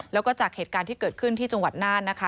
แล้วก็จากเหตุการณ์ที่เกิดขึ้นที่จังหวัดน่านนะคะ